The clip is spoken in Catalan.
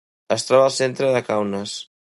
Es troba al centre de Kaunas.